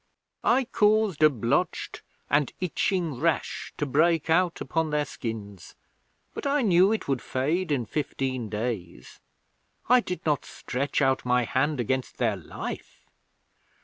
I caused a blotched and itching rash to break out upon their skins, but I knew it would fade in fifteen days. I did not stretch out my hand against their life.